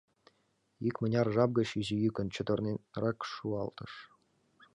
Икмыняр жап гыч изи йӱкын, чытырненрак шуялтыш: